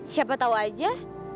siapa tahu aja